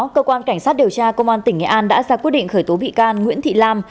cơ quan cảnh sát điều tra công an tỉnh nghệ an đã ra quyết định khởi tố bị can nguyễn thị lam